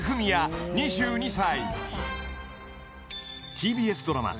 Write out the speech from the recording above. ＴＢＳドラマ